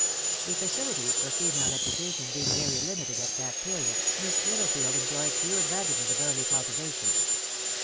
The facilities for female education being very limited at that period, Miss Littlefield enjoyed few advantages of early cultivation.